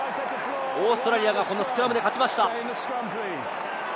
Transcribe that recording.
オーストラリアがスクラムで勝ちました。